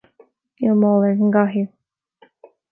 Níl mála ar an gcathaoir